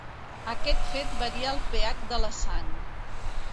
Aquest fet varia el pH de la sang.